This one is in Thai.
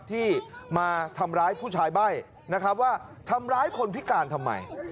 ที่มาทำร้ายผู้ชายใบ้นะครับว่าทำร้ายคนพิการทำไม